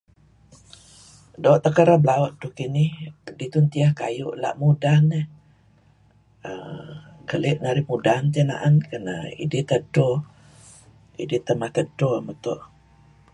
Doo' teh kereb lau' edto kinih. Idih tun tieh. Kayu' la' mudan iih. Aaa... keli narih la' mudan tieh keneh idih teh edto. Idih teh mateh edto meto'.